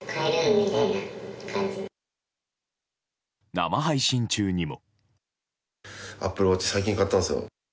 生配信中にも。